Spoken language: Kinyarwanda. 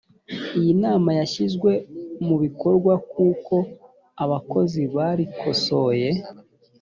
iyi nama yashyizwe mu bikorwa kuko abakozi barikosoye